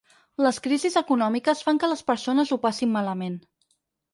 Les crisis econòmiques fan que les persones ho passin malament.